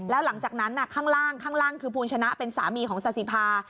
แล้วหลังจากนั้นข้างล่างข้างล่างคือภูลชนะเป็นสามีของสาธิภา